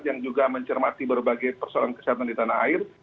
yang juga mencermati berbagai persoalan kesehatan di tanah air